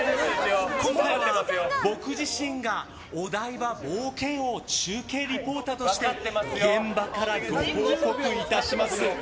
今回は、僕自身がお台場冒険王中継リポーターとして現場から報告いたします。